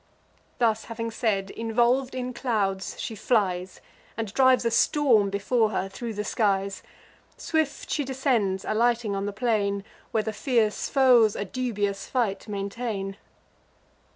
Thus having said, involv'd in clouds, she flies, And drives a storm before her thro' the skies. Swift she descends, alighting on the plain, Where the fierce foes a dubious fight maintain.